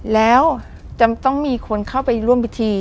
แล้วจะต้องมีคนเข้าไปร่วมพิธี